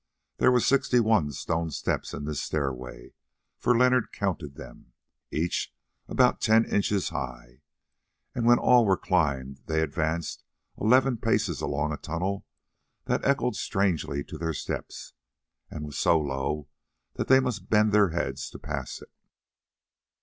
There were sixty one stone steps in this stairway, for Leonard counted them, each about ten inches high, and when all were climbed they advanced eleven paces along a tunnel that echoed strangely to their steps, and was so low that they must bend their heads to pass it.